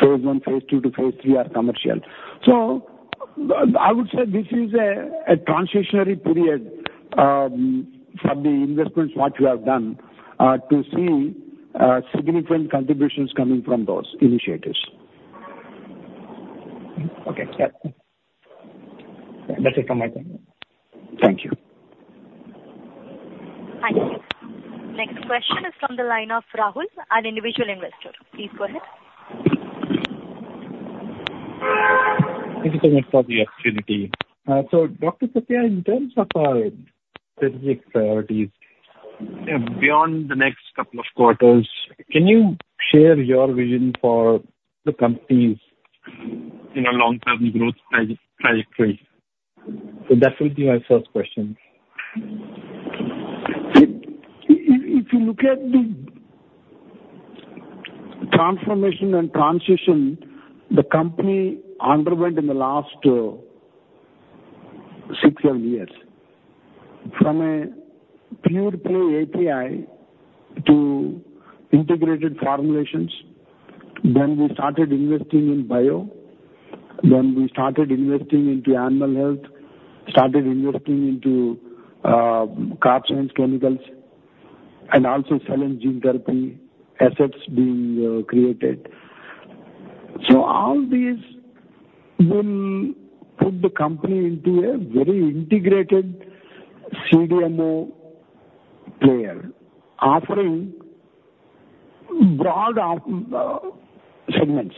phase one, phase two to phase three are commercial. So I would say this is a transitionary period, for the investments what we have done, to see significant contributions coming from those initiatives. Okay, sure. That's it from my side. Thank you. Thank you. Next question is from the line of Rahul, an individual investor. Please go ahead. Thank you so much for the opportunity. So Dr. Satya, in terms of strategic priorities, beyond the next couple of quarters, can you share your vision for the company's, you know, long-term growth trajectory? So that will be my first question.... If you look at the transformation and transition the company underwent in the last six to seven years, from a pure play API to integrated formulations, then we started investing in bio, then we started investing into animal health, started investing into crop science chemicals and also selling gene therapy assets being created. So all these will put the company into a very integrated CDMO player, offering broad segments.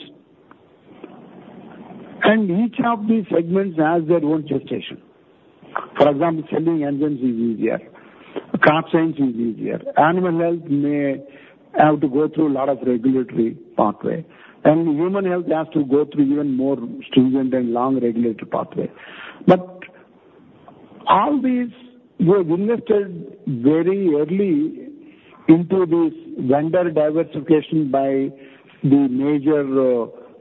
And each of these segments has their own gestation. For example, scaling genes is easier, crop science is easier. Animal health may have to go through a lot of regulatory pathway, and human health has to go through even more stringent and long regulatory pathway. But all these, we have invested very early into this vendor diversification by the major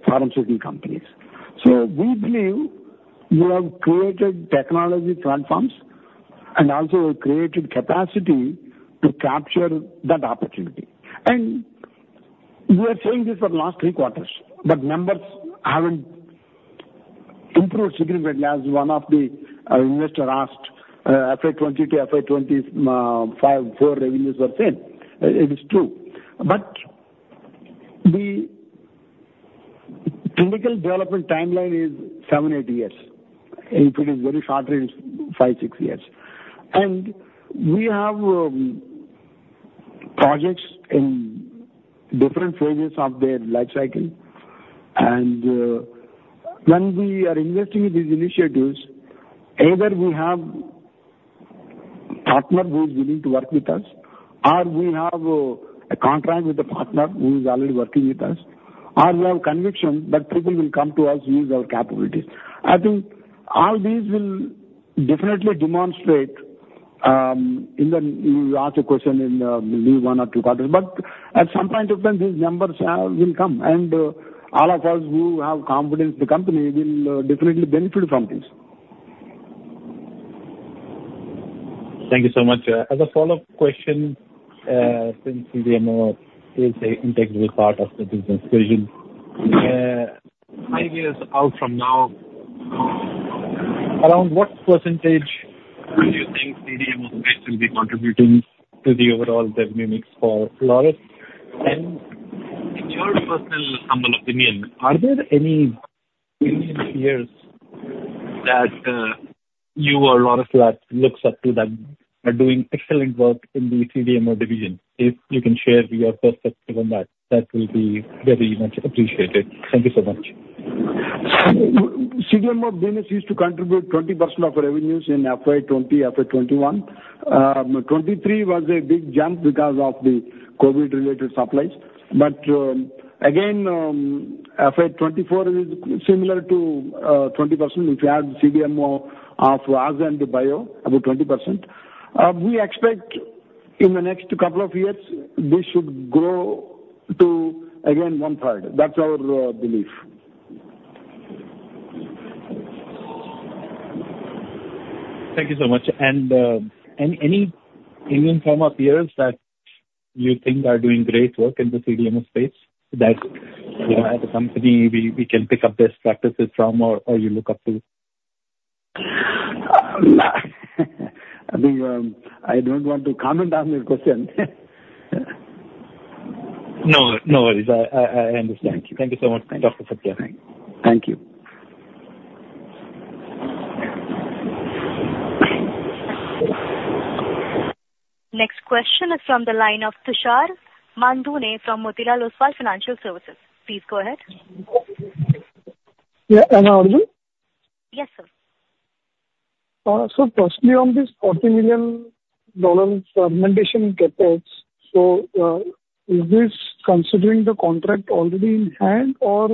pharmaceutical companies. So we believe we have created technology platforms and also created capacity to capture that opportunity. We are saying this for the last three quarters, but numbers haven't improved significantly. As one of the investor asked, FY 2020 to FY 2024 revenues were same. It is true. But the typical development timeline is seven to eight years. If it is very short range, five to six years. We have projects in different phases of their life cycle. When we are investing in these initiatives, either we have partner who is willing to work with us, or we have a contract with the partner who is already working with us, or we have conviction that people will come to us, use our capabilities. I think all these will definitely demonstrate, in the, you asked a question in, maybe one or two quarters, but at some point of time, these numbers, will come, and, all of us who have confidence in the company will, definitely benefit from this. Thank you so much. As a follow-up question, since CDMO is an integral part of the business vision, five years out from now, around what percentage do you think CDMO space will be contributing to the overall dev mix for Laurus? In your personal humble opinion, are there any Indian peers that, you or Laurus Labs looks up to, that are doing excellent work in the CDMO division? If you can share your perspective on that, that will be very much appreciated. Thank you so much. CDMO business used to contribute 20% of our revenues in FY 2020, FY 2021. 2023 was a big jump because of the COVID-related supplies. But, again, FY 2024 is similar to 20%, which we had CDMO of us and the bio, about 20%. We expect in the next couple of years, this should grow to, again, one-third. That's our belief. Thank you so much. And any Indian pharma peers that you think are doing great work in the CDMO space that, you know, as a company, we, we can pick up best practices from or, or you look up to? I think, I don't want to comment on this question. No, no worries. I understand. Thank you. Thank you so much, Dr. Satya. Thank you. Next question is from the line of Tushar Manudhane from Motilal Oswal Financial Services. Please go ahead. Yeah. Am I audible? Yes, sir. So firstly, on this $40 million fermentation CapEx, so, is this considering the contract already in hand, or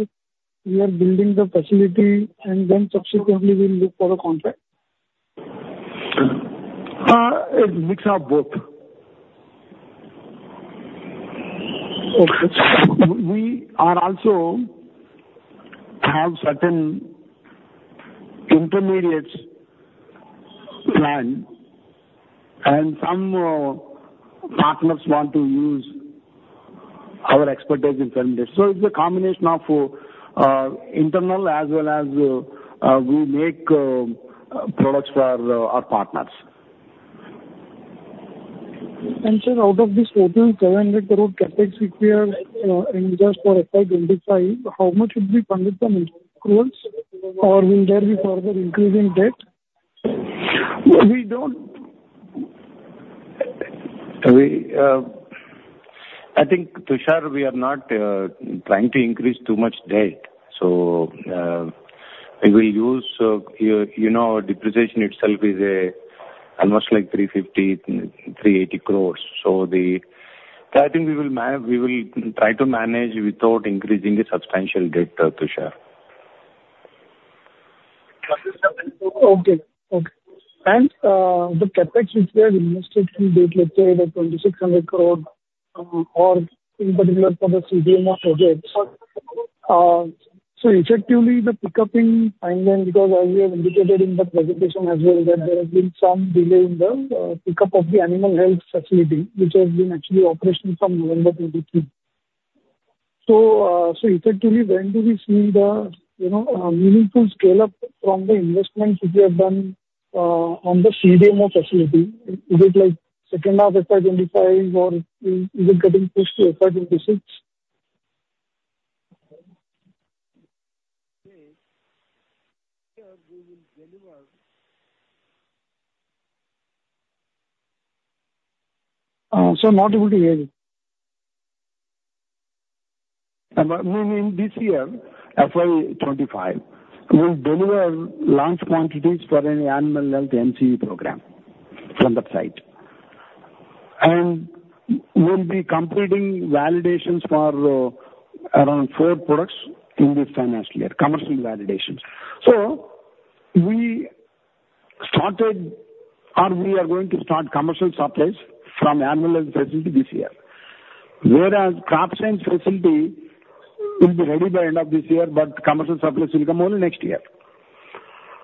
we are building the facility and then subsequently we'll look for a contract? A mix of both. Okay. We are also have certain intermediates planned, and some partners want to use our expertise in fermenters. So it's a combination of internal as well as we make products for our partners. Sir, out of this total 700 crore CapEx required, in just for FY 2025, how much should be funded from internal crores or will there be further increase in debt? We don't... We, I think, Tushar, we are not trying to increase too much debt. So, we will use, you know, depreciation itself is almost like 350 crores, 380 crores. So I think we will try to manage without increasing the substantial debt, Tushar.... Okay, okay. And, the CapEx which we have invested to date, let's say, the 2,600 crore, or in particular for the CDMO projects. So effectively, the pickup in timeline, because as we have indicated in the presentation as well, that there has been some delay in the, pickup of the animal health facility, which has been actually operational from November 2023. So, so effectively, when do we see the, you know, meaningful scale-up from the investments which we have done, on the CDMO facility? Is it like second half FY 2025, or is it getting pushed to FY 2026? So not able to hear you. I mean, in this year, FY 2025, we'll deliver large quantities for an animal health NCE program from that site. And we'll be completing validations for, around four products in this financial year, commercial validations. So we started, or we are going to start commercial supplies from animal facility this year, whereas crop science facility will be ready by end of this year, but commercial supplies will come only next year.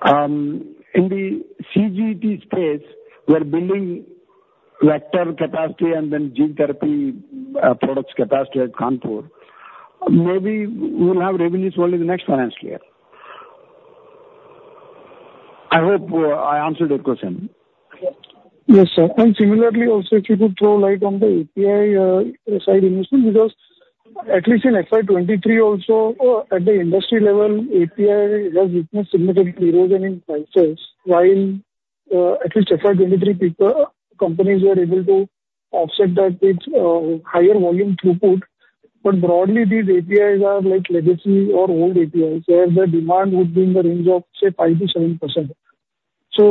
In the CGT space, we are building vector capacity and then gene therapy, products capacity at Kanpur. Maybe we'll have revenues only in the next financial year. I hope, I answered your question. Yes, sir. And similarly, also, if you could throw light on the API side industry, because at least in FY 2023 also, at the industry level, API has witnessed significant erosion in prices, while, at least FY 2023, companies were able to offset that with higher volume throughput. But broadly, these APIs are like legacy or old APIs, where the demand would be in the range of, say, 5%-7%. So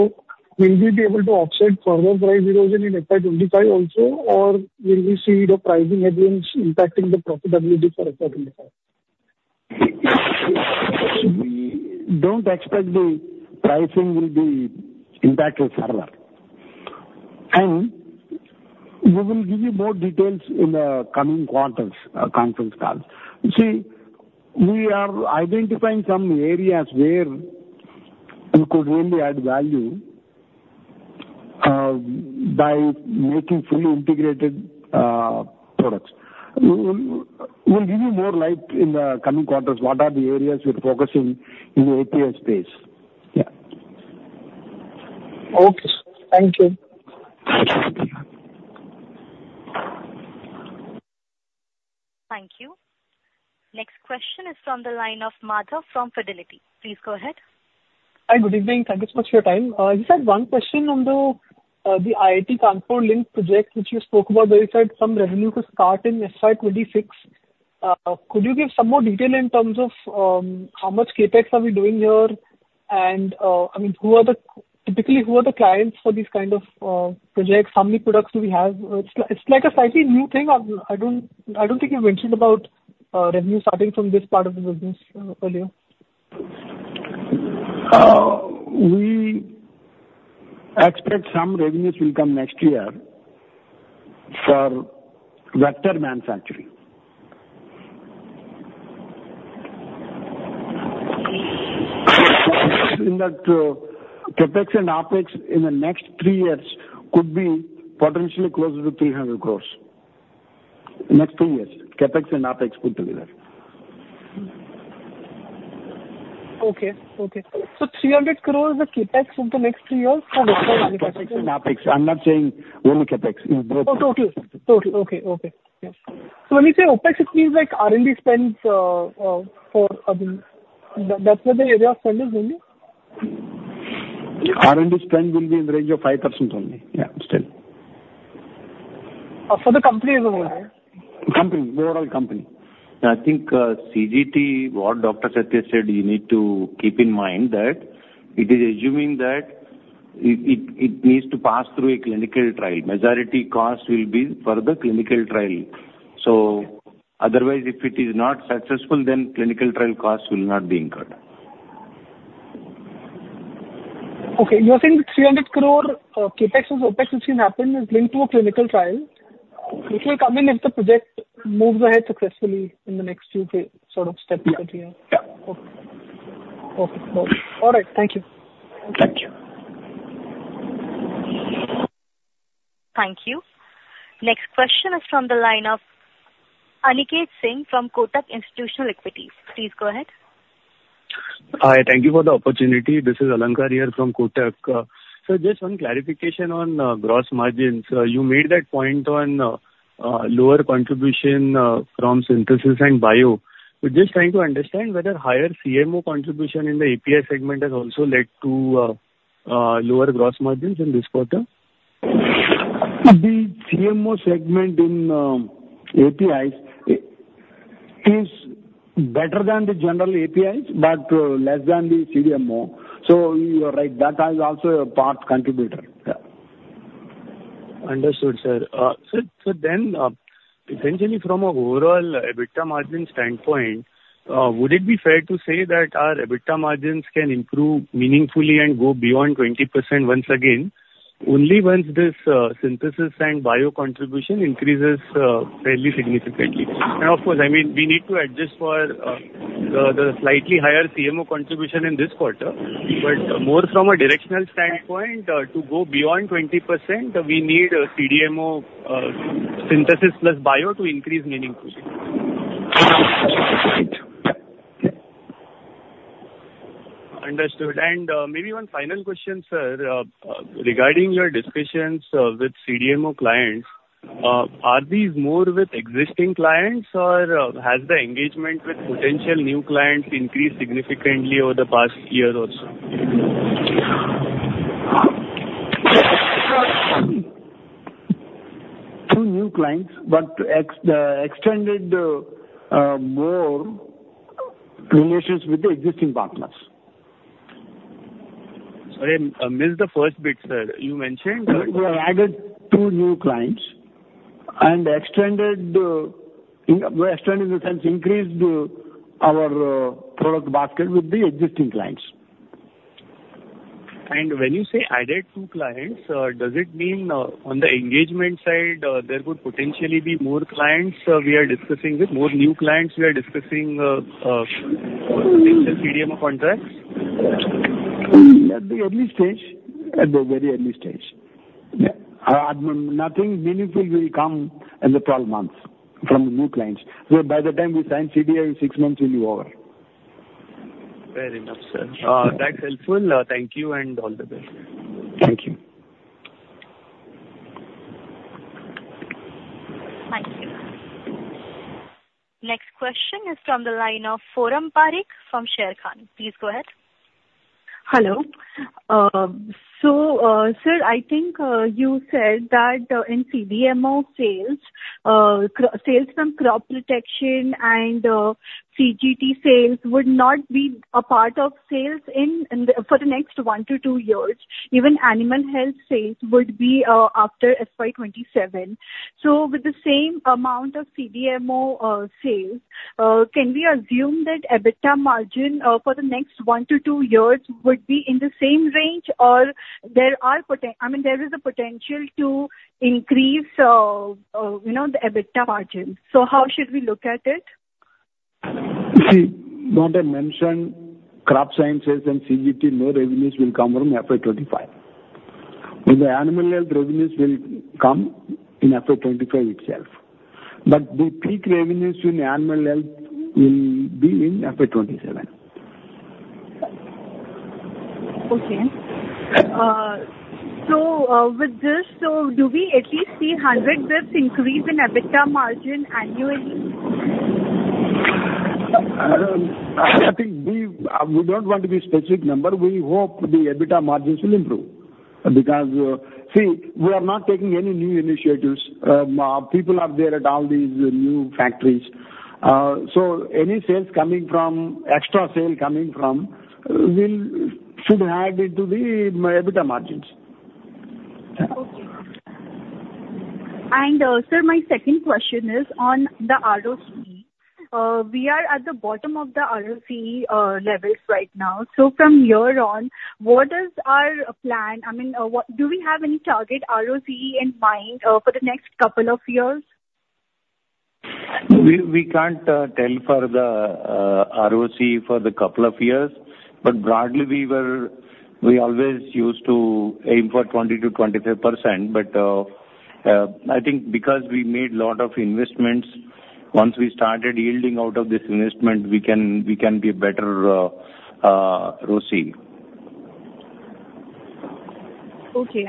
will we be able to offset further price erosion in FY 2025 also, or will we see the pricing headwinds impacting the profitability for FY 2025? We don't expect the pricing will be impacted further, and we will give you more details in the coming quarters, conference calls. See, we are identifying some areas where we could really add value, by making fully integrated, products. We'll give you more light in the coming quarters, what are the areas we're focusing in the API space. Yeah. Okay, sir. Thank you. Thank you. Next question is from the line of Madhav from Fidelity. Please go ahead. Hi, good evening. Thank you so much for your time. Just had one question on the IIT Kanpur link project, which you spoke about, where you said some revenue could start in FY 2026. Could you give some more detail in terms of how much CapEx are we doing here? And, I mean, who are the... Typically, who are the clients for these kind of projects? How many products do we have? It's like a slightly new thing. I don't think you mentioned about revenue starting from this part of the business earlier. We expect some revenues will come next year for vector manufacturing. In that, CapEx and OpEx in the next three years could be potentially closer to 300 crores. Next two years, CapEx and OpEx put together. Okay. Okay. So 300 crore of CapEx over the next three years? CapEx and OpEx. I'm not saying only CapEx, it's both. Oh, total. Total. Okay, okay. Yeah. So when you say OpEx, it means, like, R&D spends, for, I mean, that's where the area of spend is, only? R&D spend will be in the range of 5% only, yeah, still. Of the company as a whole? Company, the overall company. I think, CGT, what Dr. Satya said, you need to keep in mind that it is assuming that it needs to pass through a clinical trial. Majority costs will be for the clinical trial. So otherwise, if it is not successful, then clinical trial costs will not be incurred. Okay. You are saying 300 crore, CapEx and OpEx which will happen is linked to a clinical trial, which will come in if the project moves ahead successfully in the next few phase, sort of, steps that you have. Yeah. Okay. Perfect. All right. Thank you. Thank you. Thank you. Next question is from the line of Aniket Singh from Kotak Institutional Equities. Please go ahead. Hi, thank you for the opportunity. This is Alankar here from Kotak. So just one clarification on gross margins. You made that point on lower contribution from synthesis and bio. We're just trying to understand whether higher CMO contribution in the API segment has also led to lower gross margins in this quarter? The CMO segment in APIs is better than the general APIs, but less than the CDMO. So you are right, that is also a part contributor. Yeah. ...Understood, sir. So then, essentially from an overall EBITDA margin standpoint, would it be fair to say that our EBITDA margins can improve meaningfully and go beyond 20% once again, only once this synthesis and bio contribution increases fairly significantly? And of course, I mean, we need to adjust for the slightly higher CMO contribution in this quarter. But more from a directional standpoint, to go beyond 20%, we need a CDMO synthesis plus bio to increase meaningfully. Understood. And maybe one final question, sir. Regarding your discussions with CDMO clients, are these more with existing clients, or has the engagement with potential new clients increased significantly over the past year or so? Two new clients, but extended more relations with the existing partners. Sorry, I missed the first bit, sir. You mentioned- We added two new clients and extended in the sense, increased our product basket with the existing clients. When you say added two clients, does it mean, on the engagement side, there could potentially be more clients we are discussing with, more new clients we are discussing, potential CDMO contracts? At the early stage, at the very early stage. Yeah. Nothing meaningful will come in the 12 months from the new clients. So by the time we sign CDA, in 6 months it will be over. Fair enough, sir. That's helpful. Thank you and all the best. Thank you. Thank you. Next question is from the line of Forum Parekh from Sharekhan. Please go ahead. Hello. So, sir, I think you said that in CDMO sales, sales from crop protection and CGT sales would not be a part of sales in for the next one to two years. Even animal health sales would be after FY 2027. So with the same amount of CDMO sales, can we assume that EBITDA margin for the next one to two years would be in the same range? Or there is a potential to increase, you know, the EBITDA margins. So how should we look at it? See, don't I mention crop sciences and CGT? No revenues will come from FY 2025. With the animal health, revenues will come in FY 2025 itself, but the peak revenues in animal health will be in FY 2027. Okay. So, with this, so do we at least see 100 basis points increase in EBITDA margin annually? I think we don't want to give specific number. We hope the EBITDA margins will improve, because see, we are not taking any new initiatives. People are there at all these new factories. So any sales coming from, extra sale coming from, will, should add it to the EBITDA margins. Okay. And, sir, my second question is on the ROC. We are at the bottom of the ROC levels right now. So from here on, what is our plan? I mean, what do we have any target ROC in mind, for the next couple of years? We can't tell for the ROCE for the couple of years, but broadly, we always used to aim for 20%-25%. But I think because we made a lot of investments, once we started yielding out of this investment, we can give better ROCE. Okay.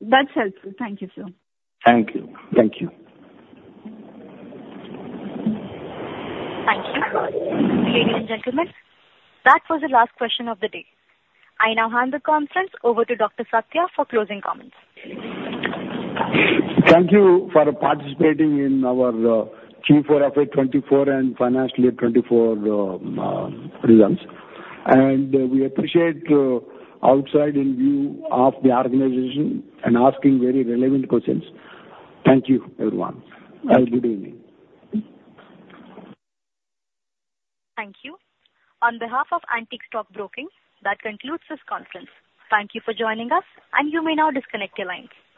That's helpful. Thank you, sir. Thank you. Thank you. Thank you. Ladies and gentlemen, that was the last question of the day. I now hand the conference over to Dr. Satya for closing comments. Thank you for participating in our Q4 FY 2024 and financial FY 2024 results. We appreciate outside in view of the organization and asking very relevant questions. Thank you, everyone. Have a good evening. Thank you. On behalf of Antique Stock Broking, that concludes this conference. Thank you for joining us, and you may now disconnect your lines.